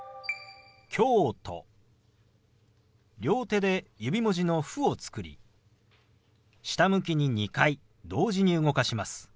両手で指文字の「フ」を作り下向きに２回同時に動かします。